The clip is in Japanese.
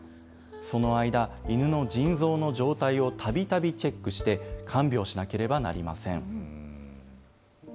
その間、犬の腎臓の状態をたびたびチェックして、看病しなければなりません。